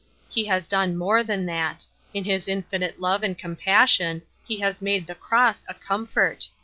He has done more than that. In his infinite love and compassion he has made the cross a comfort.